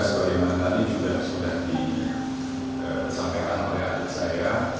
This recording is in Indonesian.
sebagian dari tadi juga sudah disampaikan oleh adik saya